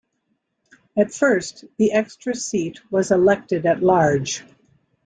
At first, the extra seat was elected at-large.